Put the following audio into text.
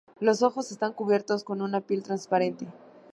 Los ojos están cubiertos con una piel transparente.